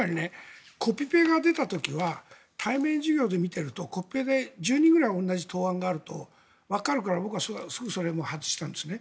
コピペが出た時は対面授業で見てるとコピペで１０人ぐらい同じ答案があると、わかるから僕はすぐそれを外したんですね。